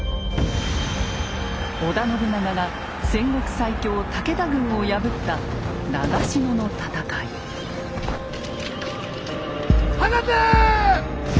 織田信長が戦国最強・武田軍を破った放て！